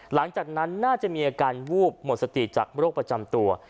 หลังจากนั้นน่าจะมีอาการวูบหมดสติจากโรคประจำตัว